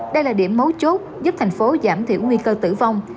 đây là điểm mấu chốt giúp thành phố giảm thiểu nguy cơ tử vong